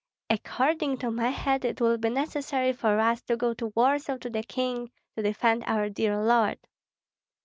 According to my head it will be necessary for us to go to Warsaw to the king, to defend our dear lord."